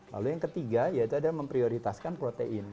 lalu yang ketiga yaitu adalah memprioritaskan protein